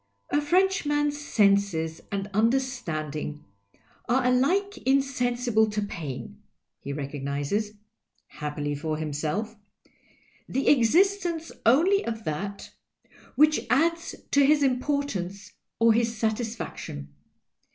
" A Frenchman's senses and understanding are alike insensible to pain — he recognizes (happily for him self) the exis tence only of that which adds to his importance or his satisfaction.